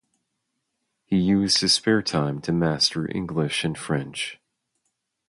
He used his spare time to master English and French.